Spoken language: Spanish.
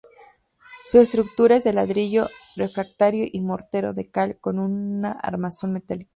Su estructura es de ladrillo refractario y mortero de cal, con una armazón metálica.